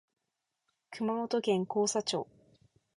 熊本県甲佐町